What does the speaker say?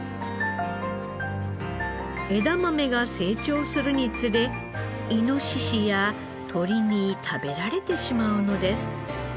枝豆が成長するにつれイノシシや鳥に食べられてしまうのです。